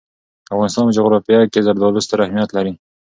د افغانستان په جغرافیه کې زردالو ستر اهمیت لري.